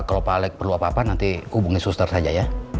kalau pak alec perlu apa apa nanti hubungi suster saja ya